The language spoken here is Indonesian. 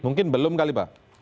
mungkin belum kali pak